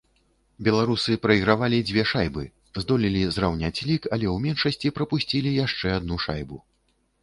Беларусы прайгравалі дзве шайбы, здолелі зраўняць лік, але ў меншасці прапусцілі яшчэ адну шайбу.